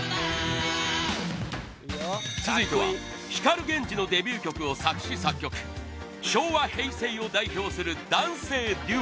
続いては、光ＧＥＮＪＩのデビュー曲を作詞・作曲昭和・平成を代表する男性デュオ